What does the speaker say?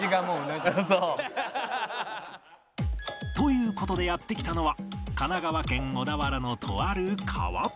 という事でやって来たのは神奈川県小田原のとある川